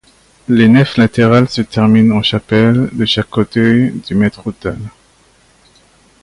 Les nefs latérales se terminent en chapelles de chaque côté du maître-autel.